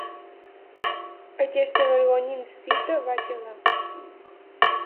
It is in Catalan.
Aquesta vergonyant cita va calar.